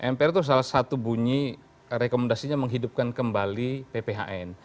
mpr itu salah satu bunyi rekomendasinya menghidupkan kembali pphn